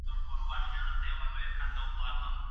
خاوند باید صبر هېر نه کړي.